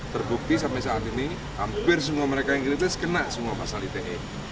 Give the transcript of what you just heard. terbukti sampai saat ini hampir semua mereka yang kritis kena semua pasal ite